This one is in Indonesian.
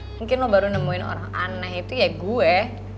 mungkin lo baru nemuin orang aneh itu ya gue